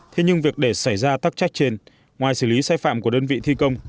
thế nhưng việc để xảy ra tắc trách trên ngoài xử lý sai phạm của đơn vị thi công